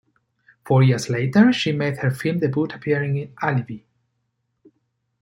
Four years later, she made her film debut, appearing in "Alibi".